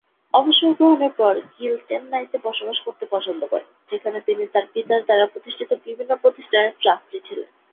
অবসর গ্রহণের পর, গিল চেন্নাইতে বসবাস করতে পছন্দ করেন, যেখানে তিনি তার পিতার দ্বারা প্রতিষ্ঠিত বিভিন্ন প্রতিষ্ঠানের ট্রাস্টি ছিলেন।